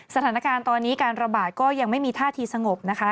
สถานการณ์ตอนนี้การระบาดก็ยังไม่มีท่าทีสงบนะคะ